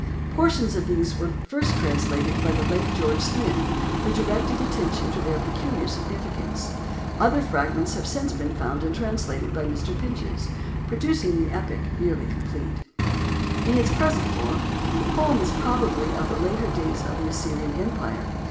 Portions of these were first translated by the late George Smith, who directed attention to their peculiar significance. Other fragments have since been found and translated by Mr. Pinches, producing the epic nearly complete. In its present form, the poem is probably of the later days of the Assyrian empire.